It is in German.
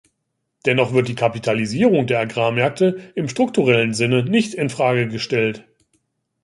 Dennoch wird die Kapitalisierung der Agrarmärkte im strukturellen Sinne nicht infrage gestellt.